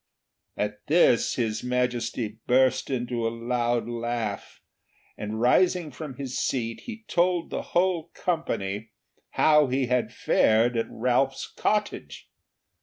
At this His Majesty burst into a loud laugh, and rising from his seat he told the whole company how he had fared at Ralph's cottage.